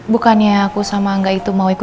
bukannya aku sama angga itu mau ikut